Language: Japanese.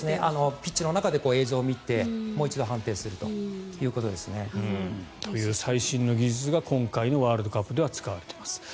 ピッチの中で映像を見てもう１度判定すると。という最新の技術が今回のワールドカップでは使われています。